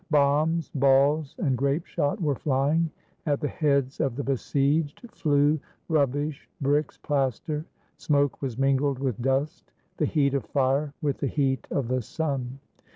Bombs, balls, and grapeshot were flying; at the heads of the be sieged flew rubbish, bricks, plaster; smoke was mingled with dust, the heat of fire with the heat of the sun.